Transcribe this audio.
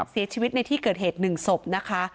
เสียชีวิตในที่เกิดเหตุ๑ศพนะคะ